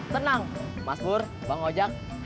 tenang mas bur bang ojek